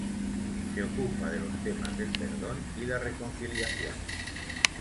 Se ocupa de los temas del perdón y la reconciliación.